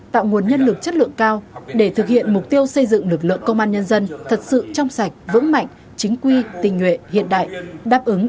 tạo nguồn nhân lực chất lượng cao để thực hiện mục tiêu xây dựng lực lượng công an nhân dân